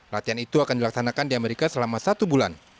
latihan itu akan dilaksanakan di amerika selama satu bulan